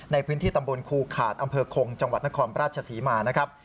ในพื้นที่ตำบลครูขาดอำเภอคงจังหวัดนครราชศรีมานะครับ